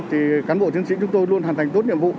thì cán bộ chiến sĩ chúng tôi luôn hoàn thành tốt nhiệm vụ